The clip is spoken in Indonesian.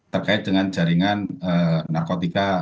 terkait dengan jaringan narkotika